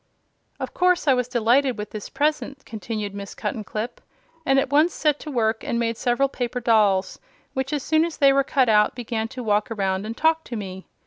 "Of course I was delighted with this present," continued Miss Cuttenclip, "and at once set to work and made several paper dolls, which, as soon as they were cut out, began to walk around and talk to me.